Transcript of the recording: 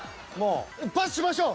パスしましょう。